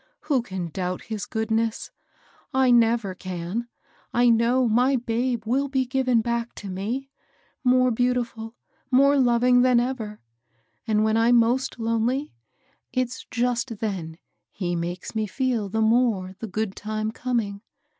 Who can doubt his goodness ?— I never can ! I know my babe will be given back to me, ^ more beautifiil, more loving than ever ; and when I'm most lonely, its just then he makes me feel the more the good time coming.